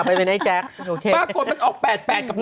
ปรากฏมันออก๘๘กับ๑๑อ่ะ